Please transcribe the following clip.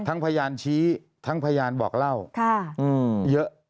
พยานชี้ทั้งพยานบอกเล่าเยอะ